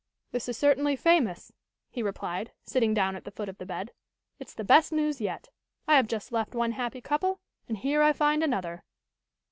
"This is certainly famous," he replied, sitting down at the foot of the bed. "It's the best news yet. I have just left one happy couple and here I find another."